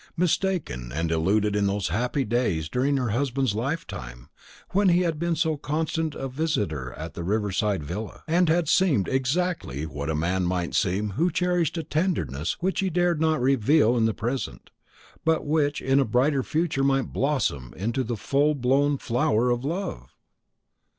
mistaken and deluded in those old happy days during her husband's lifetime, when he had been so constant a visitor at the river side villa, and had seemed exactly what a man might seem who cherished a tenderness which he dared not reveal in the present, but which in a brighter future might blossom into the full blown flower of love?